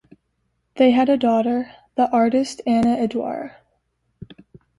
They had a daughter, the artist Anna Edouard.